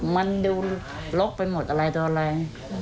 มันดูลดไปหมดอะไรต่ออะไร